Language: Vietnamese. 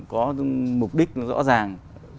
có mục đích rõ ràng